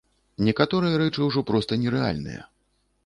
Некаторыя рэчы ўжо проста нерэальныя.